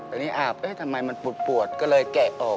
ตอนนี้อาบทำไมมันปวดก็เลยแกะออก